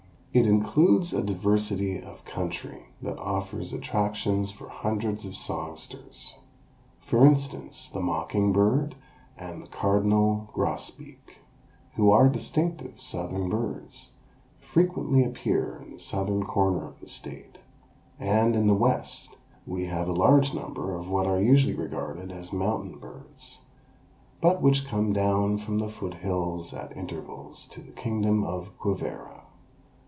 It includes a diversity of country that offers attractions for hundreds of songsters. For instance, the mocking bird and the cardinal grosbeak, who are distinctive Southern birds, frequently appear in the southern corner of the state, and in the west we have a large number of what are usually regarded as mountain birds, but which come down from the foothills at intervals to the kingdom of Quivera.